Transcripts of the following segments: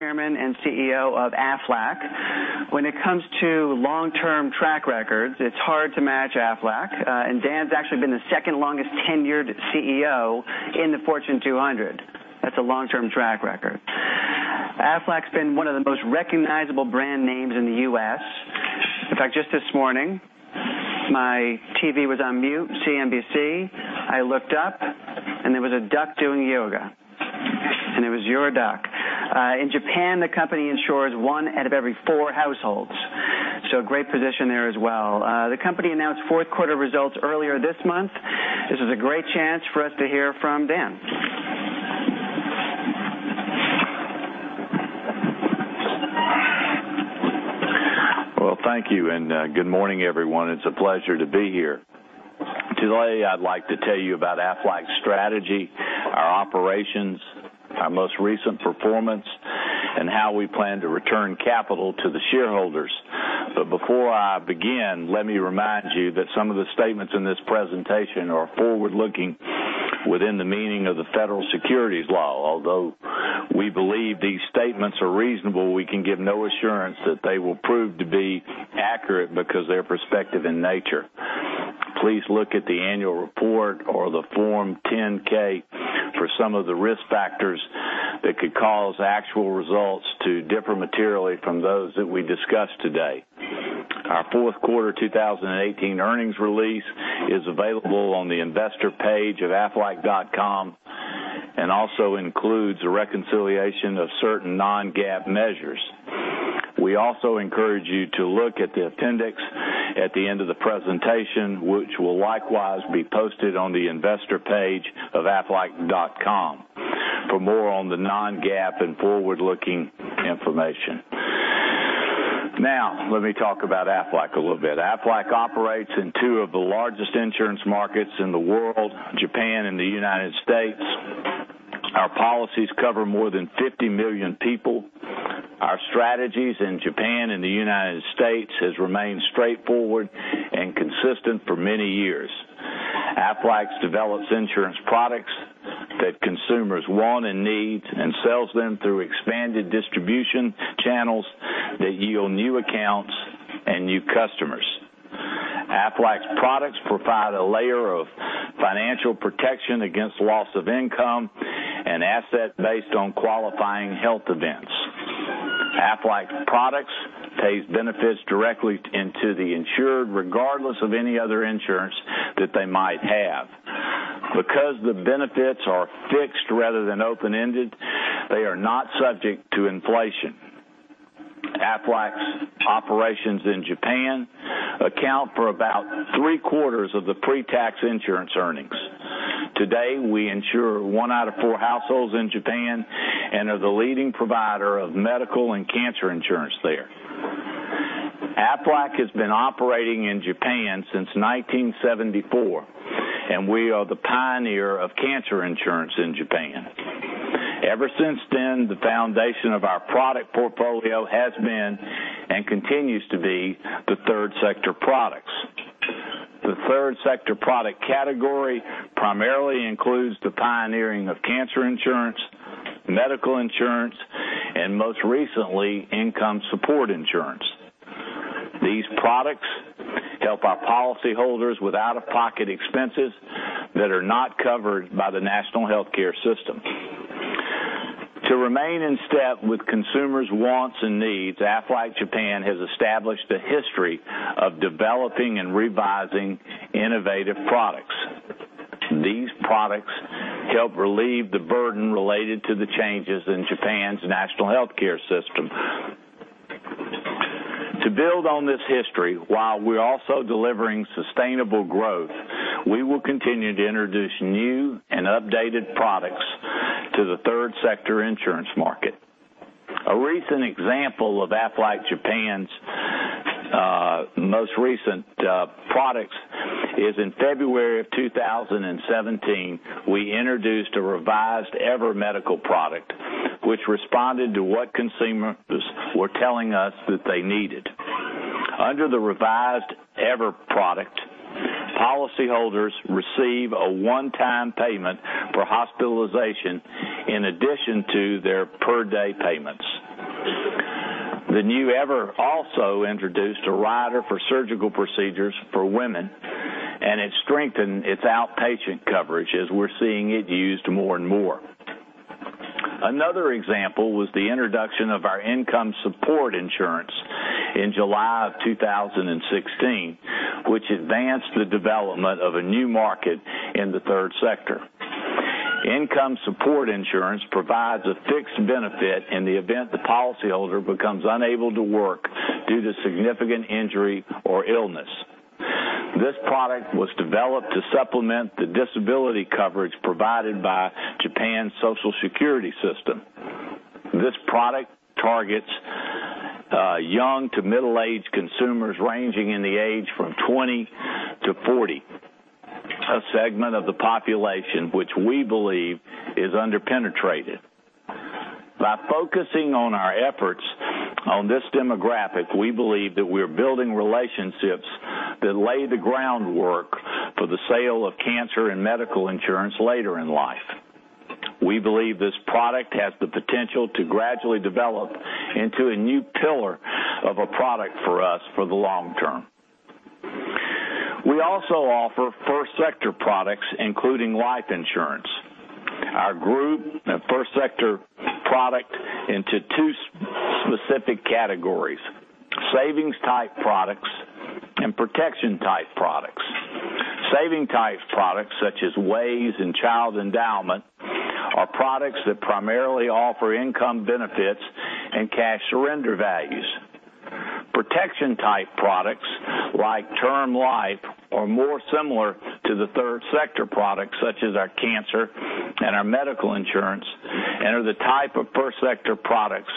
Chairman and CEO of Aflac. When it comes to long-term track records, it's hard to match Aflac, Dan's actually been the second longest tenured CEO in the Fortune 200. That's a long-term track record. Aflac's been one of the most recognizable brand names in the U.S. In fact, just this morning, my TV was on mute, CNBC, I looked up, there was a duck doing yoga, and it was your duck. In Japan, the company insures one out of every four households, great position there as well. The company announced fourth quarter results earlier this month. This is a great chance for us to hear from Dan. Well, thank you. Good morning, everyone. It's a pleasure to be here. Today, I'd like to tell you about Aflac's strategy, our operations, our most recent performance, and how we plan to return capital to the shareholders. Before I begin, let me remind you that some of the statements in this presentation are forward-looking within the meaning of the federal securities law. Although we believe these statements are reasonable, we can give no assurance that they will prove to be accurate because they're prospective in nature. Please look at the annual report or the Form 10-K for some of the risk factors that could cause actual results to differ materially from those that we discuss today. Our fourth quarter 2018 earnings release is available on the investor page at aflac.com and also includes a reconciliation of certain non-GAAP measures. We also encourage you to look at the appendix at the end of the presentation, which will likewise be posted on the investor page of aflac.com for more on the non-GAAP and forward-looking information. Let me talk about Aflac a little bit. Aflac operates in two of the largest insurance markets in the world, Japan and the United States. Our policies cover more than 50 million people. Our strategies in Japan and the United States has remained straightforward and consistent for many years. Aflac develops insurance products that consumers want and need and sells them through expanded distribution channels that yield new accounts and new customers. Aflac's products provide a layer of financial protection against loss of income and asset based on qualifying health events. Aflac products pays benefits directly into the insured regardless of any other insurance that they might have. Because the benefits are fixed rather than open-ended, they are not subject to inflation. Aflac's operations in Japan account for about three-quarters of the pre-tax insurance earnings. Today, we insure one out of four households in Japan and are the leading provider of medical and cancer insurance there. Aflac has been operating in Japan since 1974, we are the pioneer of cancer insurance in Japan. Ever since then, the foundation of our product portfolio has been, and continues to be, the third sector products. The third sector product category primarily includes the pioneering of cancer insurance, medical insurance, and most recently, Income Support Insurance. These products help our policyholders with out-of-pocket expenses that are not covered by the National Health Insurance system. To remain in step with consumers' wants and needs, Aflac Japan has established a history of developing and revising innovative products. These products help relieve the burden related to the changes in Japan's National Health Insurance system. To build on this history while we're also delivering sustainable growth, we will continue to introduce new and updated products to the third sector insurance market. A recent example of Aflac Japan's most recent products is in February of 2017, we introduced a revised EVER Medical product, which responded to what consumers were telling us that they needed. Under the revised EVER product, policyholders receive a one-time payment for hospitalization in addition to their per-day payments. The new EVER also introduced a rider for surgical procedures for women, and it strengthened its outpatient coverage as we're seeing it used more and more. Another example was the introduction of our Income Support Insurance in July of 2016, which advanced the development of a new market in the third sector. Income Support Insurance provides a fixed benefit in the event the policyholder becomes unable to work due to significant injury or illness. This product was developed to supplement the disability coverage provided by Japan's Social Security system. This product targets young to middle-aged consumers ranging in the age from 20 to 40, a segment of the population which we believe is under-penetrated. By focusing on our efforts on this demographic, we believe that we're building relationships that lay the groundwork for the sale of cancer and medical insurance later in life. We believe this product has the potential to gradually develop into a new pillar of a product for us for the long term. We also offer first sector products, including life insurance. Our group first sector product into two specific categories, savings type products and protection type products. Savings type products, such as WAYS and Child Endowment, are products that primarily offer income benefits and cash surrender values. Protection type products, like term life, are more similar to the third sector products, such as our cancer and our medical insurance, and are the type of first sector products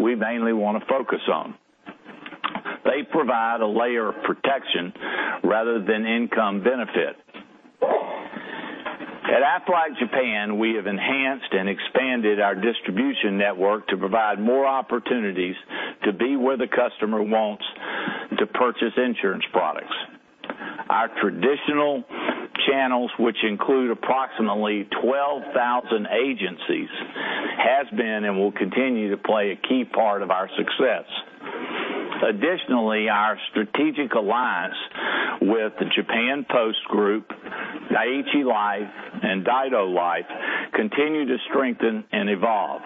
we mainly want to focus on. They provide a layer of protection rather than income benefit. At Aflac Japan, we have enhanced and expanded our distribution network to provide more opportunities to be where the customer wants to purchase insurance products. Our traditional channels, which include approximately 12,000 agencies, has been and will continue to play a key part of our success. Additionally, our strategic alliance with the Japan Post Group, Dai-ichi Life, and Daido Life continue to strengthen and evolve.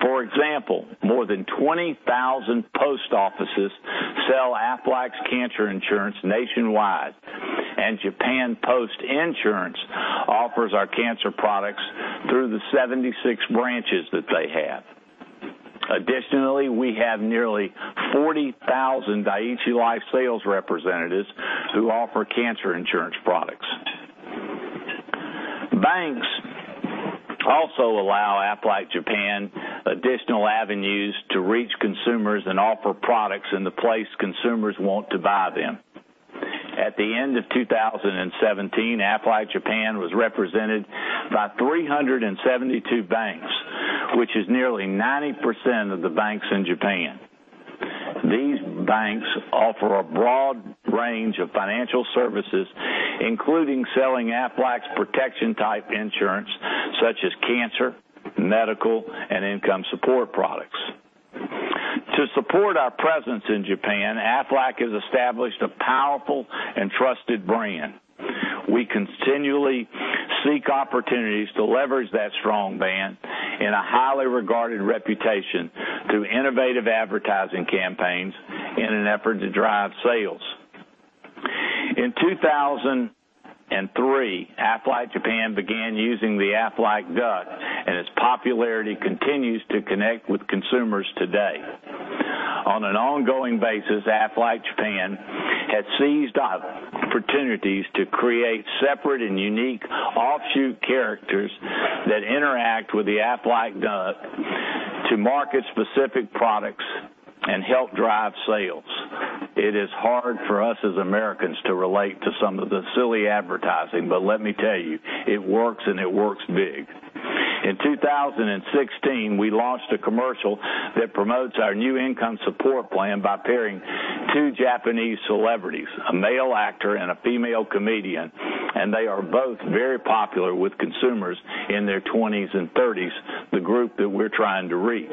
For example, more than 20,000 post offices sell Aflac's cancer insurance nationwide, and Japan Post Insurance offers our cancer products through the 76 branches that they have. Additionally, we have nearly 40,000 Dai-ichi Life sales representatives who offer cancer insurance products. Banks also allow Aflac Japan additional avenues to reach consumers and offer products in the place consumers want to buy them. At the end of 2017, Aflac Japan was represented by 372 banks, which is nearly 90% of the banks in Japan. These banks offer a broad range of financial services, including selling Aflac's protection type insurance, such as cancer, medical, and Income Support products. To support our presence in Japan, Aflac has established a powerful and trusted brand. We continually seek opportunities to leverage that strong brand and a highly regarded reputation through innovative advertising campaigns in an effort to drive sales. In 2003, Aflac Japan began using the Aflac Duck, and its popularity continues to connect with consumers today. On an ongoing basis, Aflac Japan has seized opportunities to create separate and unique offshoot characters that interact with the Aflac Duck to market specific products and help drive sales. It is hard for us as Americans to relate to some of the silly advertising, but let me tell you, it works and it works big. In 2016, we launched a commercial that promotes our new Income Support Insurance by pairing two Japanese celebrities, a male actor and a female comedian, and they are both very popular with consumers in their 20s and 30s, the group that we're trying to reach.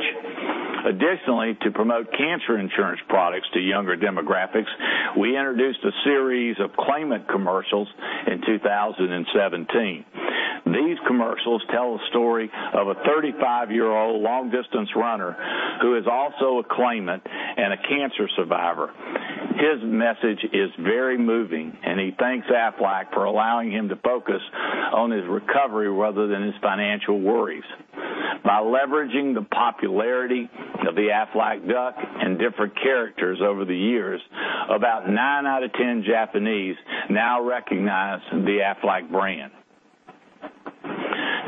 Additionally, to promote cancer insurance products to younger demographics, we introduced a series of claimant commercials in 2017. These commercials tell a story of a 35-year-old long distance runner who is also a claimant and a cancer survivor. His message is very moving, and he thanks Aflac for allowing him to focus on his recovery rather than his financial worries. By leveraging the popularity of the Aflac Duck and different characters over the years, about nine out of 10 Japanese now recognize the Aflac brand.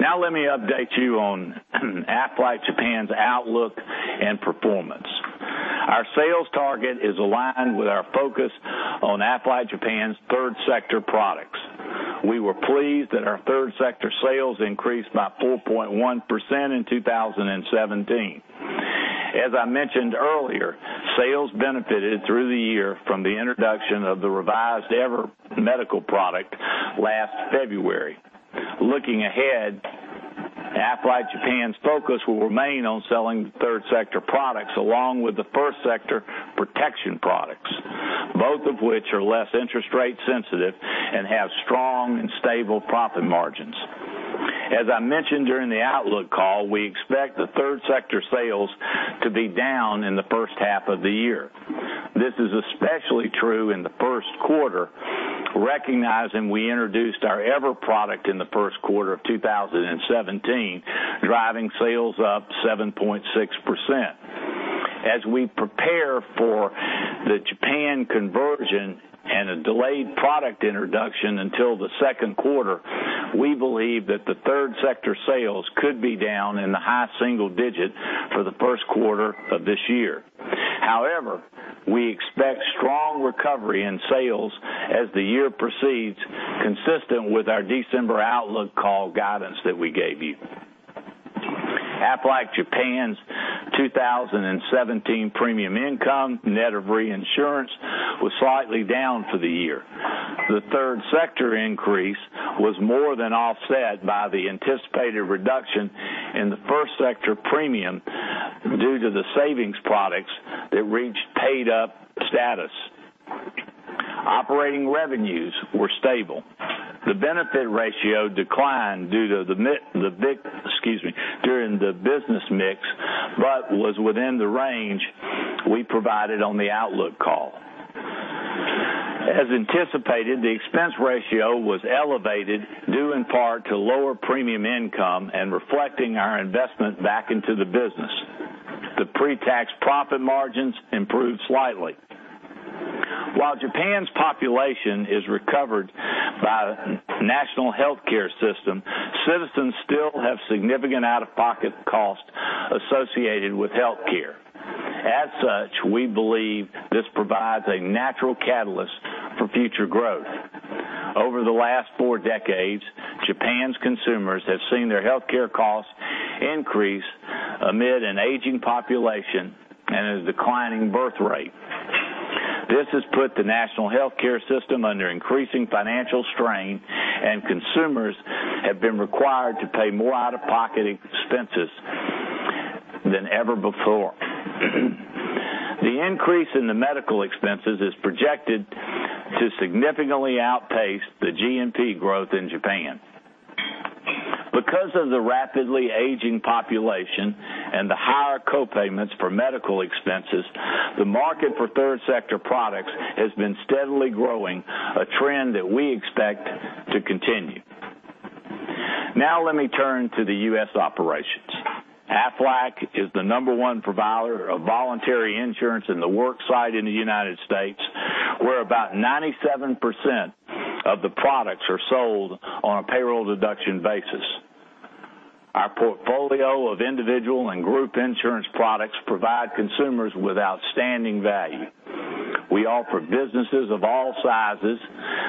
Now let me update you on Aflac Japan's outlook and performance. Our sales target is aligned with our focus on Aflac Japan's third sector products. We were pleased that our third sector sales increased by 4.1% in 2017. As I mentioned earlier, sales benefited through the year from the introduction of the revised EVER medical product last February. Looking ahead, Aflac Japan's focus will remain on selling third sector products along with the first sector protection products, both of which are less interest rate sensitive and have strong and stable profit margins. As I mentioned during the outlook call, we expect the third sector sales to be down in the first half of the year. This is especially true in the first quarter, recognizing we introduced our EVER product in the first quarter of 2017, driving sales up 7.6%. As we prepare for the Japan conversion and a delayed product introduction until the second quarter, we believe that the third sector sales could be down in the high single digit for the first quarter of this year. However, we expect strong recovery in sales as the year proceeds consistent with our December outlook call guidance that we gave you. Aflac Japan's 2017 premium income, net of reinsurance, was slightly down for the year. The third sector increase was more than offset by the anticipated reduction in the first sector premium due to the savings products that reached paid-up status. Operating revenues were stable. The benefit ratio declined during the business mix, but was within the range we provided on the outlook call. As anticipated, the expense ratio was elevated due in part to lower premium income and reflecting our investment back into the business. The pre-tax profit margins improved slightly. While Japan's population is recovered by National Health Insurance, citizens still have significant out-of-pocket costs associated with healthcare. As such, we believe this provides a natural catalyst for future growth. Over the last four decades, Japan's consumers have seen their healthcare costs increase amid an aging population and a declining birth rate. This has put the National Health Insurance system under increasing financial strain. Consumers have been required to pay more out-of-pocket expenses than ever before. The increase in the medical expenses is projected to significantly outpace the GNP growth in Japan. Because of the rapidly aging population and the higher co-payments for medical expenses, the market for third sector products has been steadily growing, a trend that we expect to continue. Now let me turn to the U.S. operations. Aflac is the number one provider of voluntary insurance in the work site in the United States, where about 97% of the products are sold on a payroll deduction basis. Our portfolio of individual and group insurance products provide consumers with outstanding value. We offer businesses of all sizes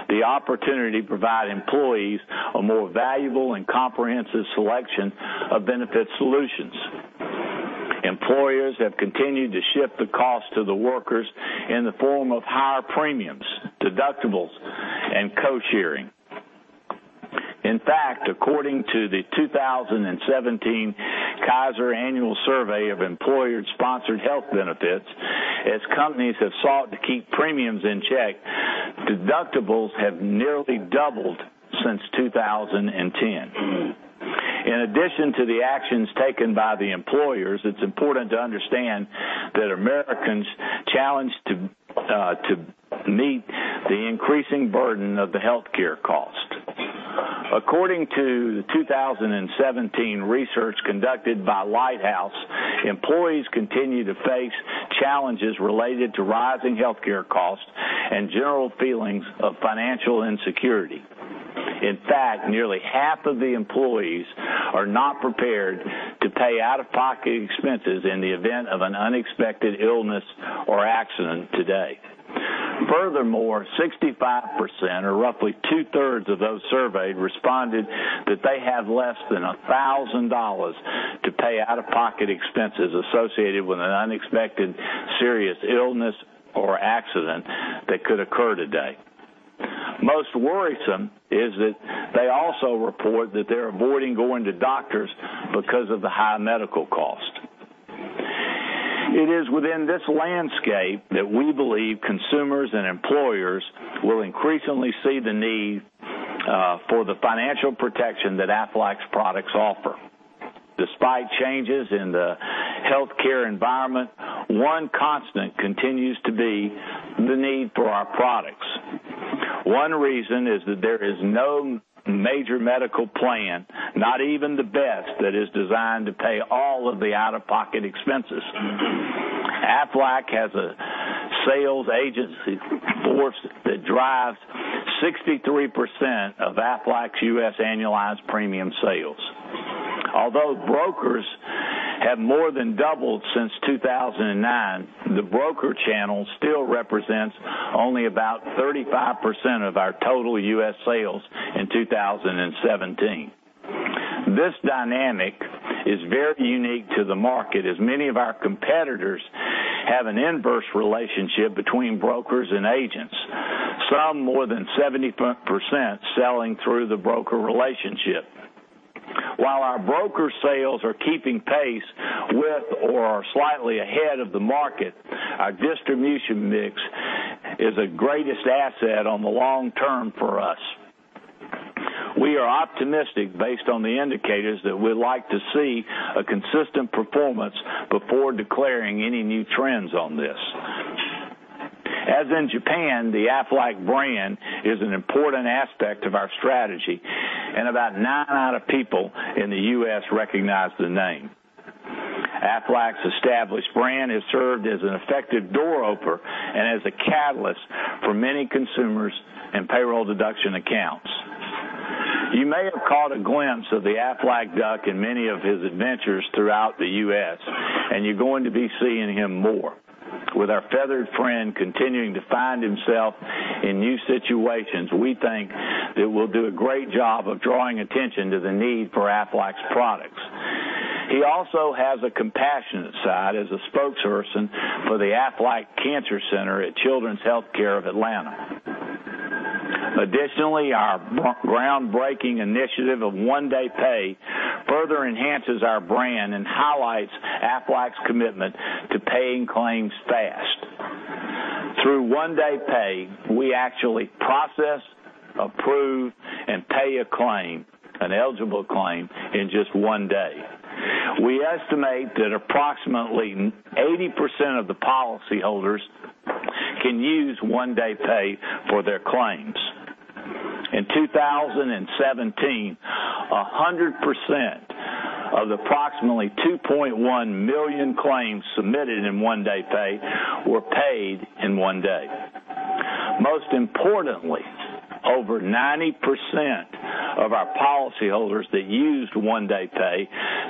the opportunity to provide employees a more valuable and comprehensive selection of benefit solutions. Employers have continued to shift the cost to the workers in the form of higher premiums, deductibles, and cost sharing. In fact, according to the 2017 Kaiser Annual Survey of Employer-Sponsored Health Benefits, as companies have sought to keep premiums in check, deductibles have nearly doubled since 2010. In addition to the actions taken by the employers, it's important to understand that Americans challenged to meet the increasing burden of the healthcare cost. According to the 2017 research conducted by Lighthouse, employees continue to face challenges related to rising healthcare costs and general feelings of financial insecurity. In fact, nearly half of the employees are not prepared to pay out-of-pocket expenses in the event of an unexpected illness or accident today. Furthermore, 65%, or roughly two-thirds of those surveyed, responded that they have less than $1,000 to pay out-of-pocket expenses associated with an unexpected serious illness or accident that could occur today. Most worrisome is that they also report that they're avoiding going to doctors because of the high medical cost. It is within this landscape that we believe consumers and employers will increasingly see the need for the financial protection that Aflac's products offer. Despite changes in the healthcare environment, one constant continues to be the need for our products. One reason is that there is no major medical plan, not even the best, that is designed to pay all of the out-of-pocket expenses. Aflac has a sales agency force that drives 63% of Aflac's U.S. annualized premium sales. Although brokers have more than doubled since 2009, the broker channel still represents only about 35% of our total U.S. sales in 2017. This dynamic is very unique to the market, as many of our competitors have an inverse relationship between brokers and agents, some more than 70% selling through the broker relationship. While our broker sales are keeping pace with or are slightly ahead of the market, our distribution mix is the greatest asset on the long term for us. We are optimistic based on the indicators that we like to see a consistent performance before declaring any new trends on this. As in Japan, the Aflac brand is an important aspect of our strategy. About nine out of people in the U.S. recognize the name. Aflac's established brand has served as an effective door-opener and as a catalyst for many consumers and payroll deduction accounts. You may have caught a glimpse of the Aflac Duck in many of his adventures throughout the U.S., and you're going to be seeing him more. With our feathered friend continuing to find himself in new situations, we think that we'll do a great job of drawing attention to the need for Aflac's products. He also has a compassionate side as a spokesperson for the Aflac Cancer Center at Children's Healthcare of Atlanta. Additionally, our groundbreaking initiative of One Day Pay further enhances our brand and highlights Aflac's commitment to paying claims fast. Through One Day Pay, we actually process, approve, and pay an eligible claim in just one day. We estimate that approximately 80% of the policyholders can use One Day Pay for their claims. In 2017, 100% of approximately 2.1 million claims submitted in One Day Pay were paid in one day. Most importantly, over 90% of our policyholders that used One Day Pay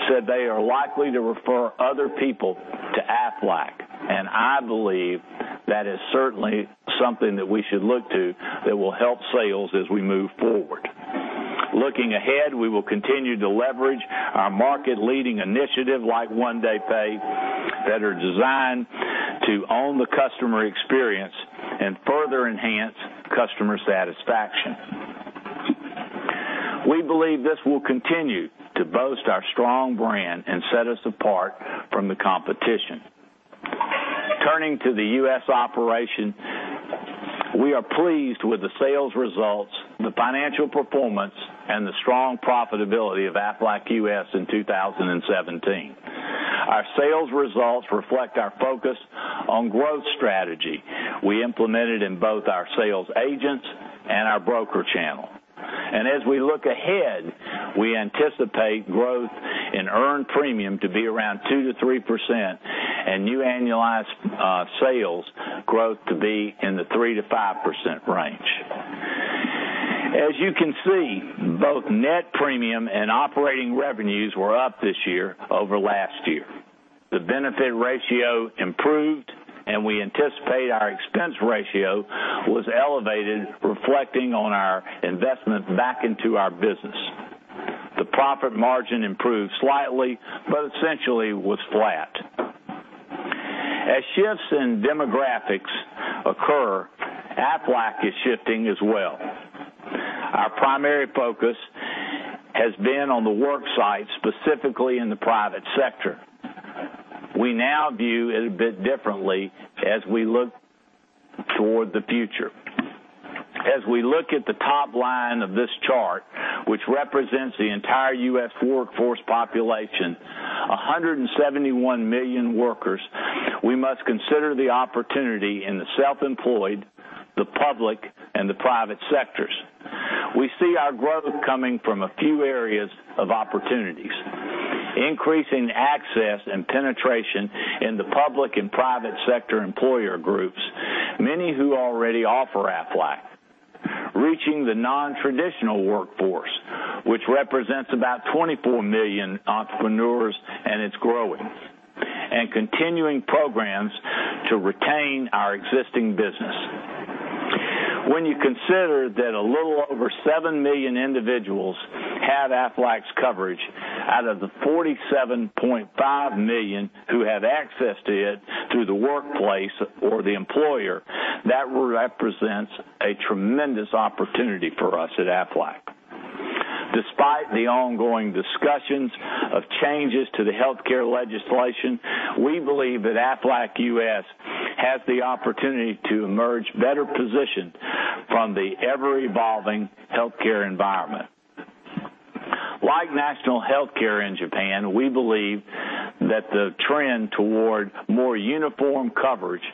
said they are likely to refer other people to Aflac, and I believe that is certainly something that we should look to that will help sales as we move forward. Looking ahead, we will continue to leverage our market leading initiative like One Day Pay that are designed to own the customer experience and further enhance customer satisfaction. We believe this will continue to boost our strong brand and set us apart from the competition. Turning to the U.S. operation, we are pleased with the sales results, the financial performance, and the strong profitability of Aflac U.S. in 2017. Our sales results reflect our focus on growth strategy we implemented in both our sales agents and our broker channel. As we look ahead, we anticipate growth in earned premium to be around 2%-3% and new annualized sales growth to be in the 3%-5% range. As you can see, both net premium and operating revenues were up this year over last year. The benefit ratio improved, and we anticipate our expense ratio was elevated, reflecting on our investment back into our business. The profit margin improved slightly, but essentially was flat. As shifts in demographics occur, Aflac is shifting as well. Our primary focus has been on the worksite, specifically in the private sector. We now view it a bit differently as we look toward the future. As we look at the top line of this chart, which represents the entire U.S. workforce population, 171 million workers, we must consider the opportunity in the self-employed, the public, and the private sectors. We see our growth coming from a few areas of opportunities. Increasing access and penetration in the public and private sector employer groups, many who already offer Aflac. Reaching the non-traditional workforce, which represents about 24 million entrepreneurs and it's growing. Continuing programs to retain our existing business. When you consider that a little over 7 million individuals have Aflac's coverage out of the 47.5 million who have access to it through the workplace or the employer, that represents a tremendous opportunity for us at Aflac. Despite the ongoing discussions of changes to the healthcare legislation, we believe that Aflac U.S. has the opportunity to emerge better positioned from the ever-evolving healthcare environment. Like National Health Insurance in Japan, we believe that the trend toward more uniform coverage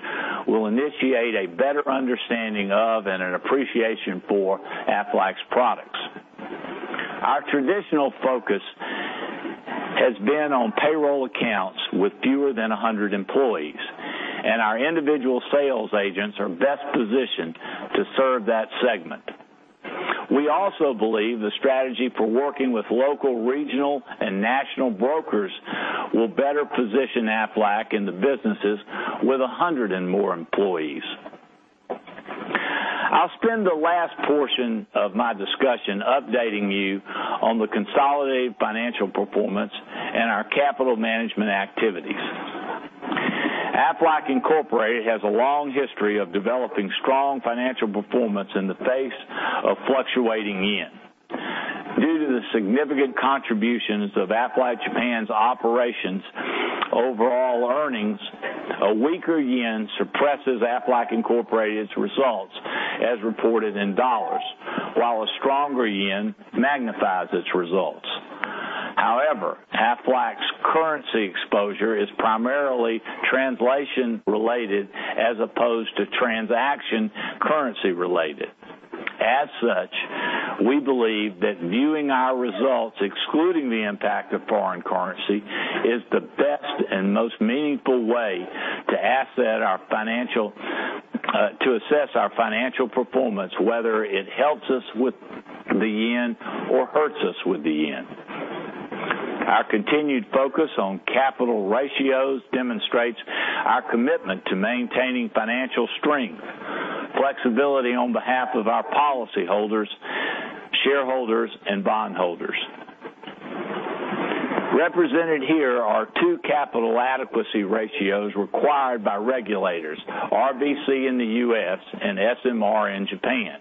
will initiate a better understanding of and an appreciation for Aflac's products. Our traditional focus has been on payroll accounts with fewer than 100 employees, and our individual sales agents are best positioned to serve that segment. We also believe the strategy for working with local, regional, and national brokers will better position Aflac in the businesses with 100 and more employees. I will spend the last portion of my discussion updating you on the consolidated financial performance and our capital management activities. Aflac Incorporated has a long history of developing strong financial performance in the face of fluctuating yen. Due to the significant contributions of Aflac Japan's operations overall earnings, a weaker yen suppresses Aflac Incorporated's results as reported in dollars, while a stronger yen magnifies its results. Aflac's currency exposure is primarily translation related as opposed to transaction currency related. We believe that viewing our results excluding the impact of foreign currency is the best and most meaningful way to assess our financial performance, whether it helps us with the yen or hurts us with the yen. Our continued focus on capital ratios demonstrates our commitment to maintaining financial strength, flexibility on behalf of our policyholders, shareholders, and bondholders. Represented here are two capital adequacy ratios required by regulators, RBC in the U.S. and SMR in Japan.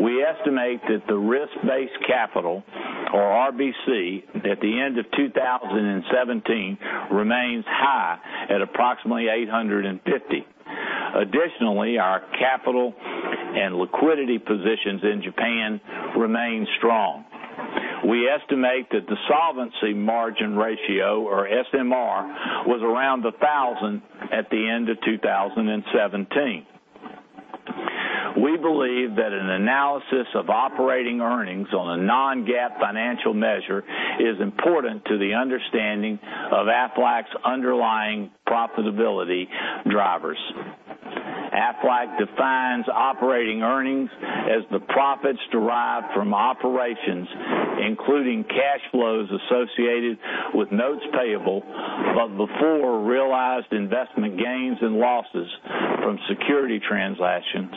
We estimate that the risk-based capital, or RBC, at the end of 2017 remains high at approximately 850. Additionally, our capital and liquidity positions in Japan remain strong. We estimate that the solvency margin ratio, or SMR, was around 1,000 at the end of 2017. We believe that an analysis of operating earnings on a non-GAAP financial measure is important to the understanding of Aflac's underlying profitability drivers. Aflac defines operating earnings as the profits derived from operations, including cash flows associated with notes payable, but before realized investment gains and losses from security transactions,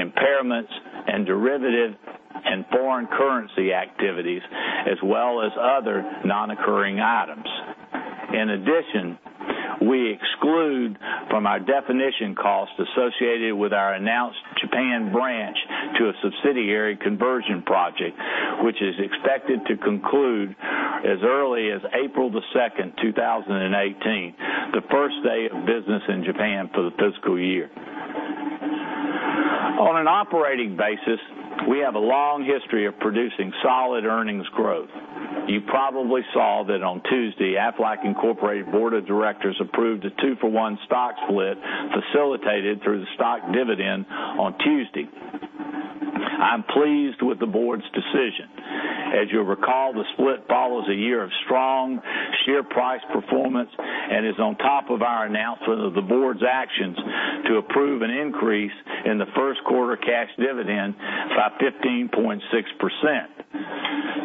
impairments, and derivative and foreign currency activities, as well as other non-recurring items. In addition, we exclude from our definition cost associated with our announced Japan branch to a subsidiary conversion project, which is expected to conclude as early as April 2nd, 2018, the first day of business in Japan for the fiscal year. On an operating basis, we have a long history of producing solid earnings growth. You probably saw that on Tuesday, Aflac Incorporated board of directors approved a two-for-one stock split facilitated through the stock dividend on Tuesday. I am pleased with the board's decision. As you will recall, the split follows a year of strong share price performance and is on top of our announcement of the board's actions to approve an increase in the first quarter cash dividend by 15.6%.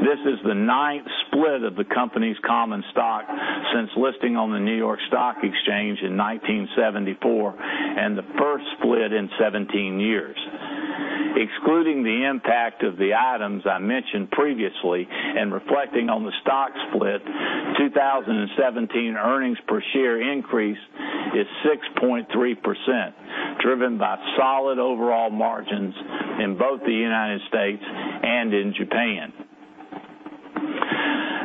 This is the ninth split of the company's common stock since listing on the New York Stock Exchange in 1974 and the first split in 17 years. Excluding the impact of the items I mentioned previously and reflecting on the stock split, 2017 earnings per share increase is 6.3%, driven by solid overall margins in both the United States and in Japan.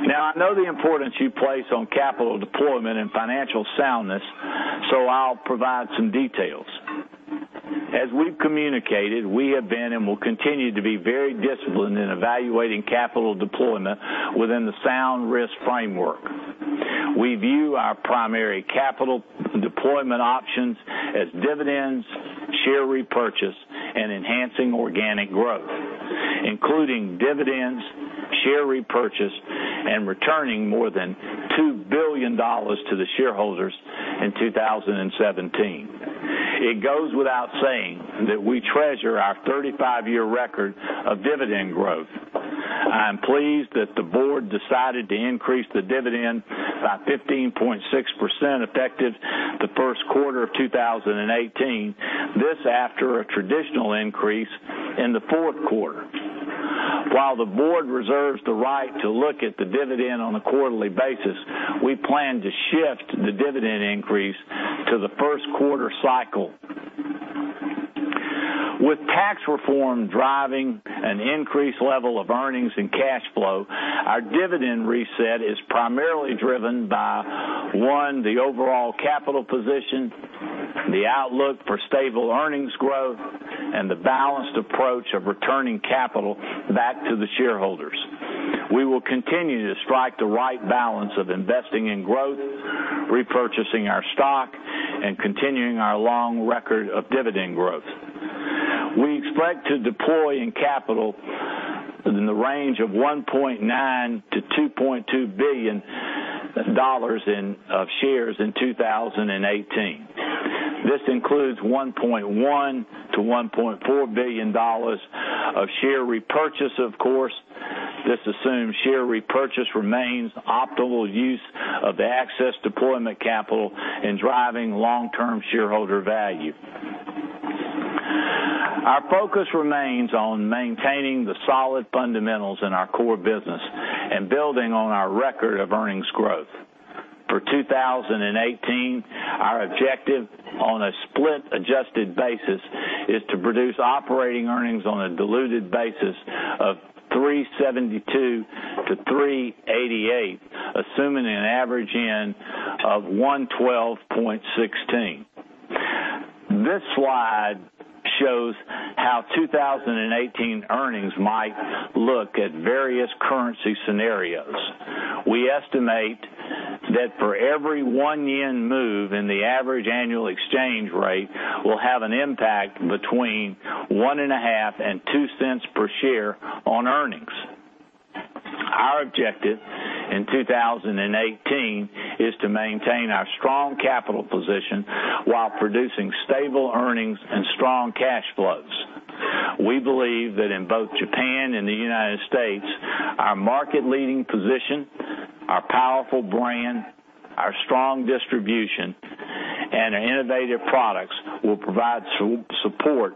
Now, I know the importance you place on capital deployment and financial soundness, so I will provide some details. As we have communicated, we have been and will continue to be very disciplined in evaluating capital deployment within the sound risk framework. We view our primary capital deployment options as dividends, share repurchase, and enhancing organic growth, including dividends, share repurchase, and returning more than $2 billion to the shareholders in 2017. It goes without saying that we treasure our 35-year record of dividend growth. I am pleased that the board decided to increase the dividend by 15.6% effective the first quarter of 2018. This after a traditional increase in the fourth quarter. While the board reserves the right to look at the dividend on a quarterly basis, we plan to shift the dividend increase to the first quarter cycle. With tax reform driving an increased level of earnings and cash flow, our dividend reset is primarily driven by, one, the overall capital position, the outlook for stable earnings growth, and the balanced approach of returning capital back to the shareholders. We will continue to strike the right balance of investing in growth, repurchasing our stock, and continuing our long record of dividend growth. We expect to deploy in capital in the range of $1.9 billion-$2.2 billion of shares in 2018. This includes $1.1 billion-$1.4 billion of share repurchase, of course. This assumes share repurchase remains optimal use of excess deployment capital in driving long-term shareholder value. Our focus remains on maintaining the solid fundamentals in our core business and building on our record of earnings growth. For 2018, our objective on a split adjusted basis is to produce operating earnings on a diluted basis of $3.72-$3.88, assuming an average yen of 112.16. This slide shows how 2018 earnings might look at various currency scenarios. We estimate that for every one yen move in the average annual exchange rate will have an impact between $0.015-$0.02 per share on earnings. Objective in 2018 is to maintain our strong capital position while producing stable earnings and strong cash flows. We believe that in both Japan and the U.S., our market leading position, our powerful brand, our strong distribution, and our innovative products will provide support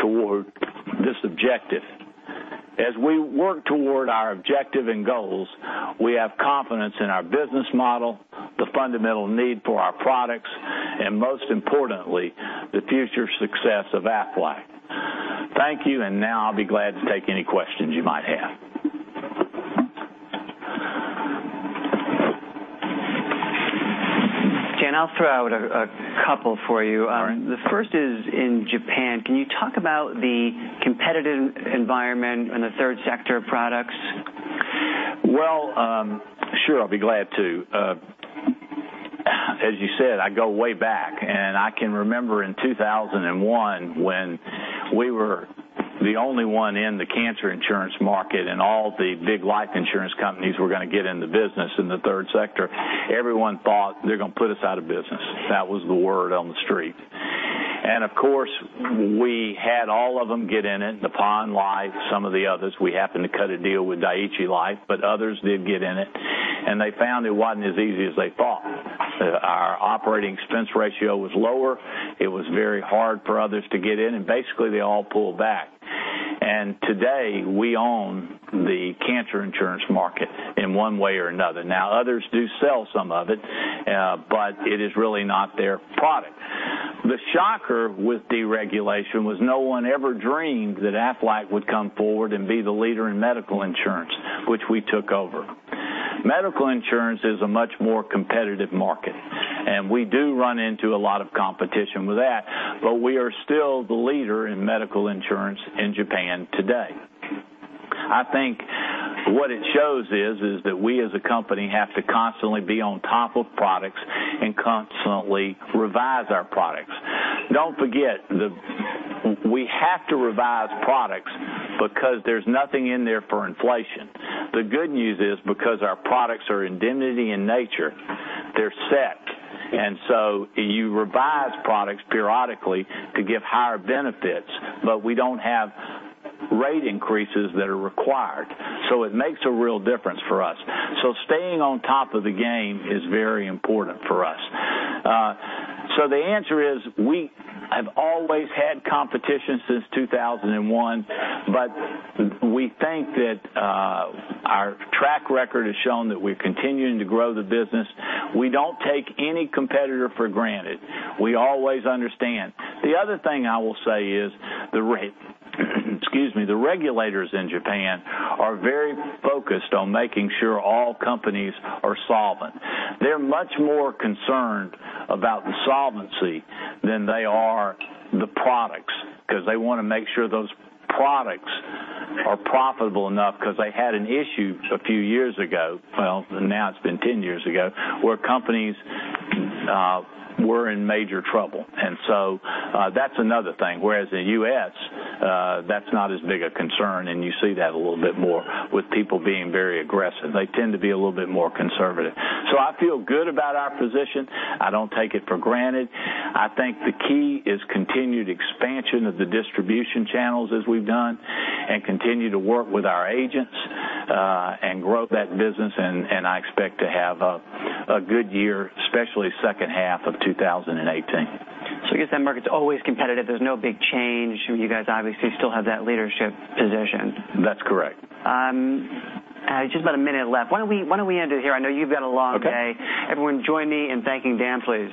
toward this objective. As we work toward our objective and goals, we have confidence in our business model, the fundamental need for our products, and most importantly, the future success of Aflac. Thank you, and now I'll be glad to take any questions you might have. Dan, I'll throw out a couple for you. All right. The first is in Japan. Can you talk about the competitive environment in the third sector products? Sure. I'll be glad to. As you said, I go way back, I can remember in 2001 when we were the only one in the cancer insurance market, all the big life insurance companies were going to get in the business in the third sector. Everyone thought, "They're going to put us out of business." That was the word on the street. Of course, we had all of them get in it, Nippon Life, some of the others. We happened to cut a deal with Dai-ichi Life, others did get in it, they found it wasn't as easy as they thought. Our operating expense ratio was lower. It was very hard for others to get in, basically they all pulled back. Today, we own the cancer insurance market in one way or another. Others do sell some of it is really not their product. The shocker with deregulation was no one ever dreamed that Aflac would come forward and be the leader in medical insurance, which we took over. Medical insurance is a much more competitive market, we do run into a lot of competition with that, we are still the leader in medical insurance in Japan today. I think what it shows is that we as a company have to constantly be on top of products constantly revise our products. Don't forget, we have to revise products because there's nothing in there for inflation. The good news is, because our products are indemnity in nature, they're set, you revise products periodically to give higher benefits, we don't have rate increases that are required. It makes a real difference for us. Staying on top of the game is very important for us. The answer is, we have always had competition since 2001, we think that our track record has shown that we're continuing to grow the business. We don't take any competitor for granted. We always understand. Excuse me. The regulators in Japan are very focused on making sure all companies are solvent. They're much more concerned about the solvency than they are the products, because they want to make sure those products are profitable enough because they had an issue a few years ago, well, now it's been 10 years ago, where companies were in major trouble. That's another thing. Whereas the U.S., that's not as big a concern, and you see that a little bit more with people being very aggressive. They tend to be a little bit more conservative. I feel good about our position. I don't take it for granted. I think the key is continued expansion of the distribution channels as we've done, and continue to work with our agents, and grow that business, and I expect to have a good year, especially second half of 2018. You guess that market's always competitive. There's no big change. You guys obviously still have that leadership position. That's correct. Just about a minute left. Why don't we end it here? I know you've got a long day. Okay. Everyone, join me in thanking Dan, please.